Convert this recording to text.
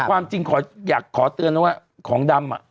ความจริงขออยากขอเตือนนะว่าของดำ